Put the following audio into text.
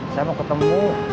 saya mau ketemu